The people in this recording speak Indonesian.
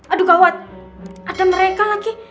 aduh kawat ada mereka lagi